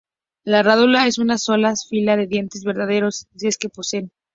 La rádula es una sola fila de dientes verdaderos, si es que poseen.